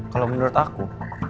kalau menurut aku